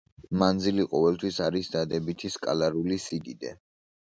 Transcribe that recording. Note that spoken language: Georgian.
მანძილი ყოველთვის არის დადებითი სკალარული სიდიდე.